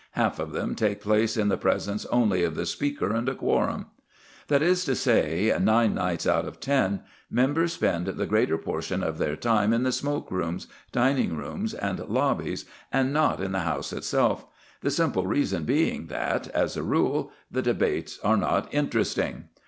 Half of them take place in the presence only of the Speaker and a quorum. That is to say, nine nights out of ten, members spend the greater portion of their time in the smoke rooms, dining rooms, and lobbies, and not in the House itself, the simple reason being that, as a rule, the debates are not interesting.